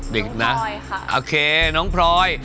น้องพลอยค่ะโอเคน้องพลอย